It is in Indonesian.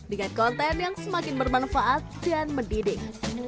dengan konten yang semakin bermanfaat dan mendidik